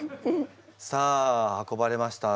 さあ運ばれました。